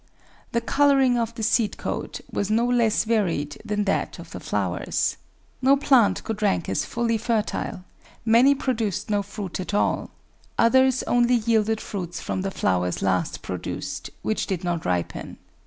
The colouring of the seed coat was no less varied than that of the flowers. No plant could rank as fully fertile; many produced no fruit at all; others only yielded fruits from the flowers last pro duced, which did not ripen.